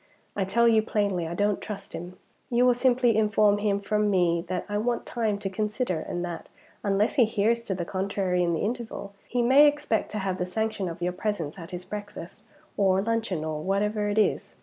I tell you plainly I don't trust him. You will simply inform him from me that I want time to consider, and that, unless he hears to the contrary in the interval, he may expect to have the sanction of your presence at his breakfast, or luncheon, or whatever it is.